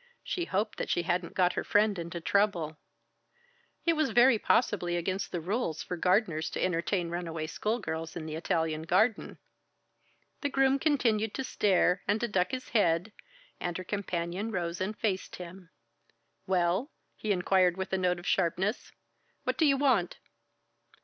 She hoped that she hadn't got her friend into trouble. It was very possibly against the rules for gardeners to entertain runaway school girls in the Italian garden. The groom continued to stare and to duck his head, and her companion rose and faced him. "Well?" he inquired with a note of sharpness. "What do you want?"